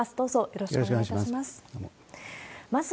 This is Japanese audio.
よろしくお願いします。